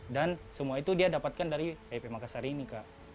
dan semua itu dia dapatkan dari pp makassar ini kak